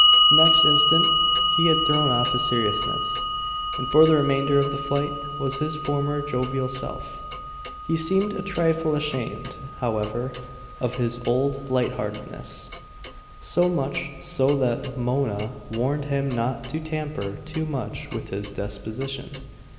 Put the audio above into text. Next instant he had thrown off his seriousness, and for the remainder of the flight was his former jovial self. He seemed a trifle ashamed, however, of his old lightheartedness; so much so that Mona warned him not to tamper too much with his disposition.